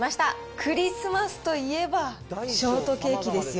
クリスマスといえば、ショートケーキですよ。